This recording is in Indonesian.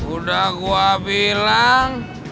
udah gua bilang